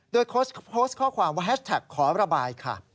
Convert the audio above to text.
โดยโพสต์ข้อความว่าแฮชแท็กขอระบายค่ะ